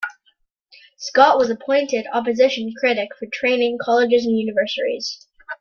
Scott was appointed opposition critic for training, colleges and universities.